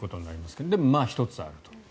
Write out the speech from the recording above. でも１つあると。